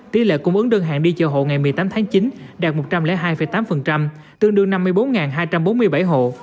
tỷ lệ cung ứng đơn hàng đi chợ hộ ngày một mươi tám tháng chín đạt một trăm linh hai tám tương đương năm mươi bốn hai trăm bốn mươi bảy hộ